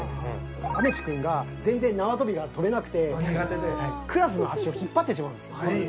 雨地くんが全然縄跳びが跳べなくてクラスの足を引っ張ってしまうんです。